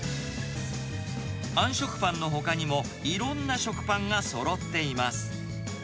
あん食パンのほかにも、いろんな食パンがそろっています。